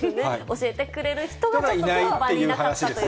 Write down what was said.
教えてくれる人がそばにいなかったという。